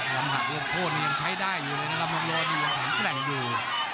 ลำหักรวบโฆษณ์มันยังใช้ได้อยู่นะครับน้องรถมันยังแกร่งอยู่